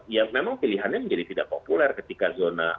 ya memang pilihannya menjadi tidak populer ketika zona